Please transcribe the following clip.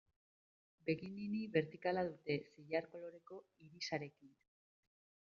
Begi-nini bertikala dute, zilar koloreko irisarekin.